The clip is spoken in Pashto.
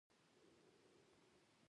پښتنې پېغلې مينه ناکه دي